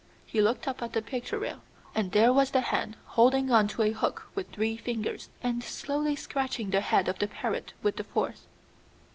He looked up at the picture rail, and there was the hand holding on to a hook with three fingers, and slowly scratching the head of the parrot with the fourth.